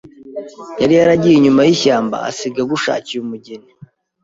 Yari yaragiye inyuma y' ishyamba, asiga agushakiye umugeni